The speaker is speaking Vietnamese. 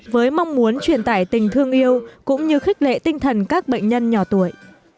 với mong muốn truyền tải tình thương yêu cũng như khích lệ tinh thần các bệnh nhân nhỏ tuổi